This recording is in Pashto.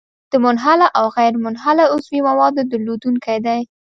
د منحله او غیرمنحله عضوي موادو درلودونکی دی.